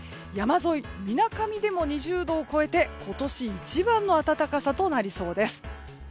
山沿い、みなかみでも２０度を超えて今年一番の暖かさとなりそうです。